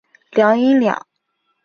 阆音两。